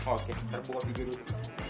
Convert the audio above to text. oke ntar bawa video dulu